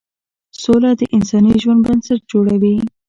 سوله د انساني ژوند بنسټ جوړوي.